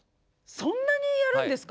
そんなにやるんですか？